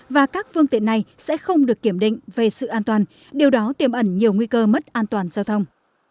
và các phương tiện này sẽ không được kiểm định về sự an toàn điều đó tiêm ẩn nhiều nguy cơ mất an toàn giao thông